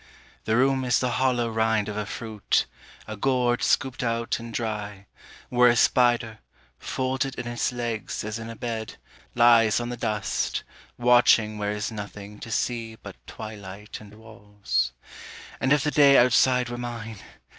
The room is the hollow rind of a fruit, a gourd Scooped out and dry, where a spider, Folded in its legs as in a bed, Lies on the dust, watching where is nothing to see but twilight and walls. And if the day outside were mine!